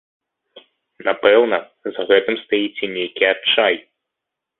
Напэўна, за гэтым стаіць і нейкі адчай.